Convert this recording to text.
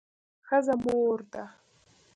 ښځه مور ده